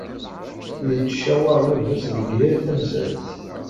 Yettcawaṛ baba-s deg yal tamsalt.